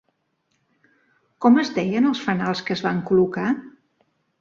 Com es deien els fanals que es van col·locar?